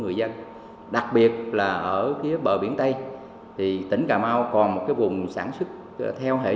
hãy đăng kí cho kênh lalaschool để không bỏ lỡ những video hấp dẫn